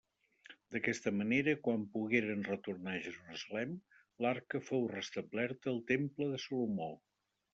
D'aquesta manera quan pogueren retornar a Jerusalem, l'Arca fou restablerta al Temple de Salomó.